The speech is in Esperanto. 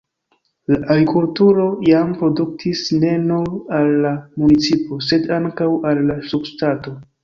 La agrikulturo jam produktis ne nur al la municipo, sed ankaŭ al la subŝtato.